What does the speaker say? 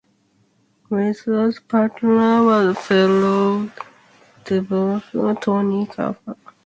Weser's partner was fellow debutant Tony Crafter.